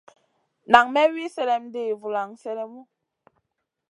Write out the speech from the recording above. Nan may wi sèlèm ɗi vulan sélèmu.